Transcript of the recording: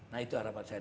nah itu harapan saya